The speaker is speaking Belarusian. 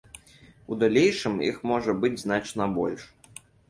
У далейшым іх можа быць значна больш.